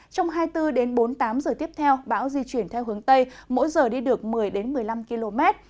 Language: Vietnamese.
trong hai mươi bốn h đến bốn mươi tám h tiếp theo báo di chuyển theo hướng tây mỗi giờ đi được một mươi một mươi năm km